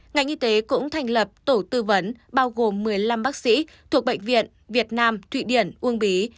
ngành y tế cũng thành lập tổ tư vấn bao gồm một mươi năm bác sĩ thuộc bệnh viện việt nam thụy điển uông bí